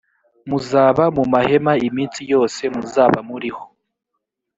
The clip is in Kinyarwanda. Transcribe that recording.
muzaba mu mahema iminsi yoze muzaba muriho